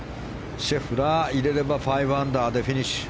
シェフラー、入れれば５アンダーでフィニッシュ。